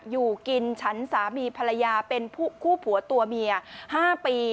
อยู่กินฉันสามีภรรยาเป็นคู่ผัวตัวเมีย๕ปี